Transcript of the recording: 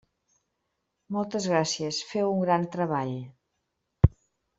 Moltes gràcies, feu un gran treball!